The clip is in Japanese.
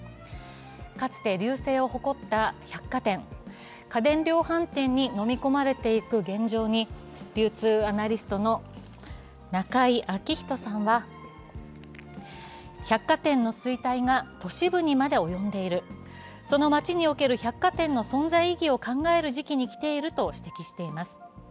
かつて隆盛を誇った百貨店、家電量販店にのみ込まれているいく現状に、流通アナリストの中井彰人さんは百貨店の衰退が都市部にまで及んでいる、その街における百貨店の存在意義を考える時期にきていると指摘しています。